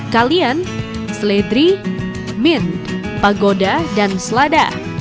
kalian seledri min pagoda dan selada